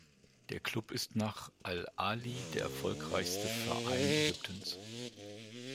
Der Club ist nach al-Ahly der erfolgreichste Verein Ägyptens.